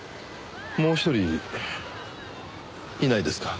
もう一人いないですか？